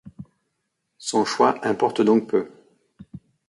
Son choix importe donc peu.